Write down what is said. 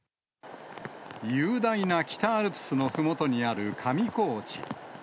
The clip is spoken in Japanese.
雄大な北アルプスのふもとにある上高地。